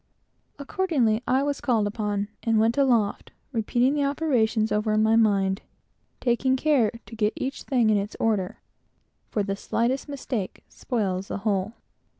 Accordingly I was called upon, and went up, repeating the operations over in my mind, taking care to get everything in its order, for the slightest mistake spoils the whole.